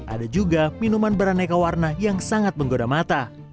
ada juga minuman beraneka warna yang sangat menggoda mata